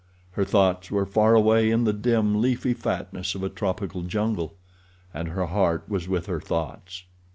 Her thoughts were far away, in the dim, leafy fastness of a tropical jungle—and her heart was with her thoughts.